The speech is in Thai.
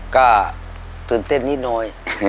ก็ตื่นเต้นนิดหน่อย